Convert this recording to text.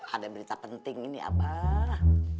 ada berita penting ini apa